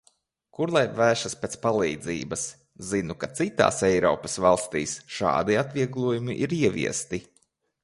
Kur lai vēršas pēc palīdzības. Zinu, ka citās Eiropas valstīs šādi atvieglojumi ir ieviesti.